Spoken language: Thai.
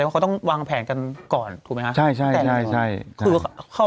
เขาต้องวางแผนกันก่อนถูกมั้ยคะ